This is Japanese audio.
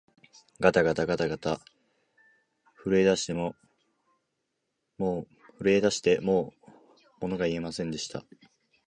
がたがたがたがた、震えだしてもうものが言えませんでした